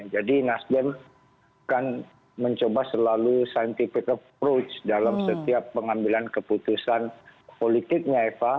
jadi nasdem akan mencoba selalu scientific approach dalam setiap pengambilan keputusan politiknya eva